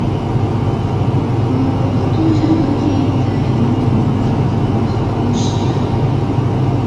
په پښتو ژبه کې د علمي موادو کمښت نشته.